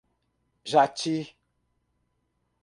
Jati